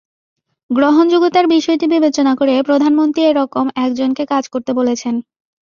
গ্রহণযোগ্যতার বিষয়টি বিবেচনা করে প্রধানমন্ত্রী এ রকম একজনকে কাজ করতে বলেছেন।